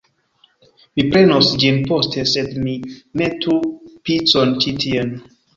Mi prenos ĝin poste, sed mi metu picon ĉi tien